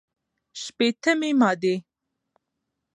شپېتمې مادې